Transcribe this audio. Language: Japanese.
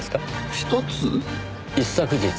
一昨日。